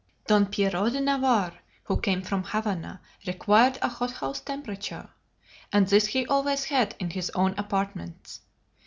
"Don Pierrot de Navarre, who came from Havana, required a hothouse temperature: and this he always had in his own apartments.